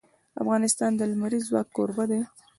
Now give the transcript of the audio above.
افغانستان د لمریز ځواک کوربه دی.